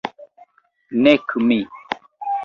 Nek mi.